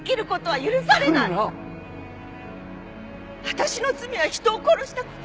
私の罪は人を殺した事。